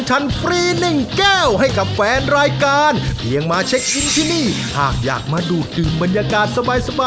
จริงครับผมจริงเชียวครับ